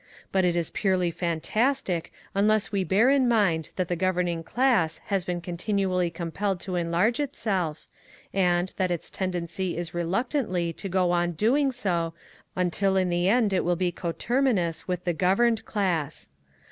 But it is purely fantastic unless we bear in mind that the governing class has been continually compelled to enlarge itself, and that its tendency is reluctantly to go on doing so until in the end it will be coterminous with the "governed class."